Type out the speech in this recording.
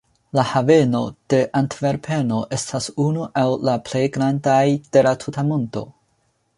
La haveno de Antverpeno estas unu el la plej grandaj de la tuta mondo.